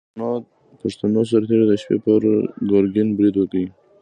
پښتنو سرتېرو د شپې پر ګورګین برید وکړ.